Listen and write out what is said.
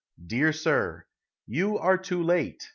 Dear Sir: You are too late.